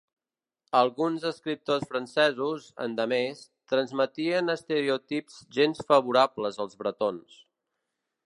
Alguns escriptors francesos, endemés, transmetien estereotips gens favorables als bretons.